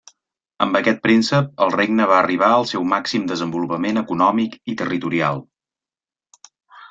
Amb aquest príncep el regne va arribar al seu màxim desenvolupament econòmic i territorial.